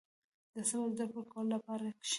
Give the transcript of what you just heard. • د صبر د زده کولو لپاره کښېنه.